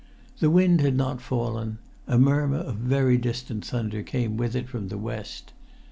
The wind had not fallen; a murmur of very distant thunder came with it from the west.